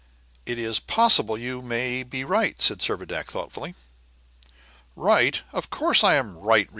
"It is possible you may be right," said Servadac, thoughtfully. "Right! of course I am right!"